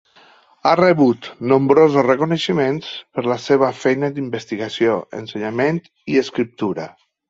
Ha rebut nombrosos reconeixements per la seva feina d'investigació, ensenyament i escriptura.